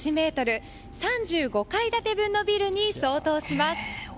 ３５階建て分のビルに相当します。